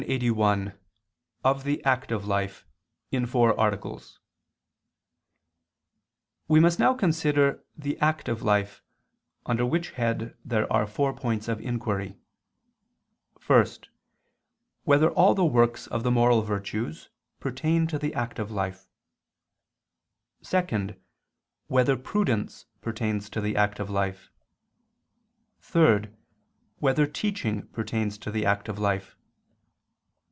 _______________________ QUESTION 181 OF THE ACTIVE LIFE (In Four Articles) We must now consider the active life, under which head there are four points of inquiry: (1) Whether all the works of the moral virtues pertain to the active life? (2) Whether prudence pertains to the active life? (3) Whether teaching pertains to the active life?